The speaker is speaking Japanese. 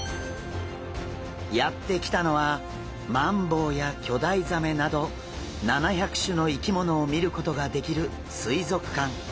やって来たのはマンボウや巨大ザメなど７００種の生き物を見ることができる水族館。